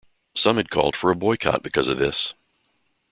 Some had called for a boycott because of this.